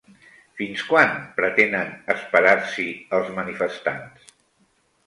Fins quan pretenen esperar-s'hi els manifestants?